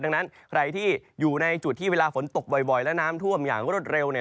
ดังนั้นใครที่อยู่ในจุดที่เวลาฝนตกบ่อยและน้ำท่วมอย่างรวดเร็ว